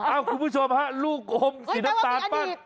คุณผู้ชมฮะลูกอมสีน้ำตาลปั้น